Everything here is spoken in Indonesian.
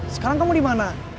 sekarang kamu dimana